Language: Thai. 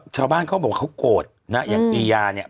ชาวบ้านเขาบอกว่าเขาโกรธอย่างปียาเนี่ย